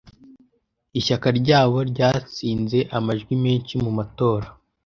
Ishyaka ryabo ryatsinze amajwi menshi mu matora